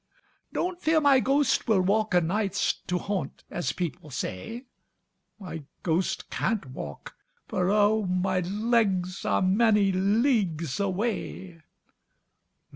"Don't fear my ghost will walk o' nights To haunt, as people say; My ghost can't walk, for, oh! my legs Are many leagues away!